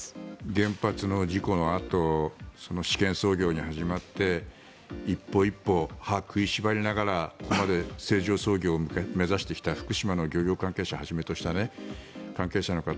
原発の事故のあと試験操業に始まって一歩一歩、歯を食いしばりながら正常操業を目指してきた福島の漁業関係者をはじめとした関係者の方